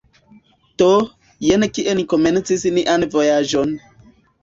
Do, jen kie ni komencis nian vojaĝon